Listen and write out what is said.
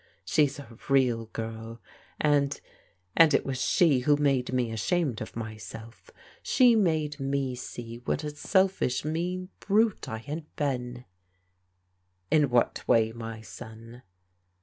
SVtf %^ x^al ^rl^ TBEV'S ENGAGEMENT 271 and it was she who made me ashamed of myself. She made me see what a selfish, mean brute I had been/' " In what way, my son